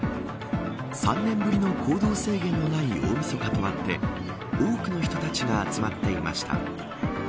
３年ぶりの行動制限のない大みそかとあって多くの人たちが集まっていました。